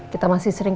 kita masih sering